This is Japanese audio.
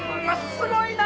すごいな！